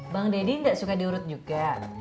bang dadi nggak suka diurut juga